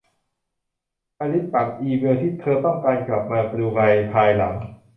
อลิซปักอีเมล์ที่เธอต้องการกลับมาดูในภายหลัง